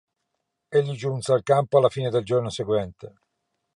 Egli giunse al campo alla fine del giorno seguente.